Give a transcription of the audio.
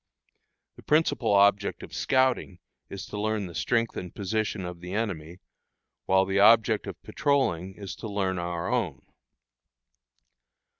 The principal object of scouting is to learn the strength and position of the enemy, while the object of patrolling is to learn our own.